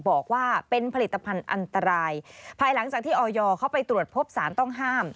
บอกว่าเป็นผลิตภัณฑ์อันตรายภายหลังจากที่ออยเขาไปตรวจพบสารต้องห้าม